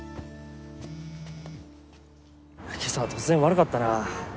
今朝は突然悪かったな。